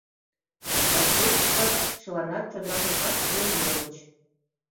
Разведчик-влак чыланат чодыра коклаш пурен йомыч.